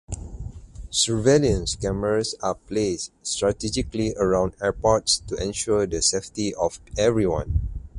Surveillance cameras are placed strategically around airports to ensure the safety of everyone.